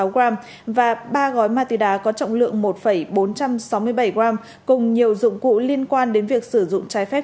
hai hai trăm năm mươi sáu g và ba gói ma túy đá có trọng lượng một bốn trăm sáu mươi bảy g cùng nhiều dụng cụ liên quan đến việc sử dụng trái phép